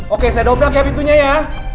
oke saya dobrak ya pintunya ya